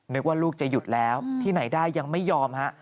นึกว่าลูกจะหยุดแล้วที่ไหนได้ยังไม่ยอมฮะ